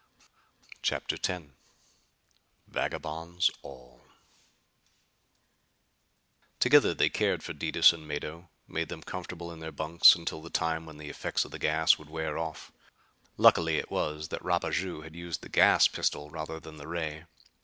CHAPTER X Vagabonds All Together they cared for Detis and Mado; made them comfortable in their bunks until the time when the effects of the gas would wear off. Lucky it was that Rapaju had used the gas pistol rather than the ray.